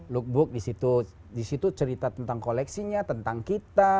lookbook di situ cerita tentang koleksinya tentang kita